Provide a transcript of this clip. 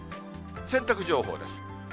洗濯情報です。